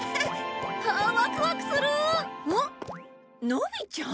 のびちゃん？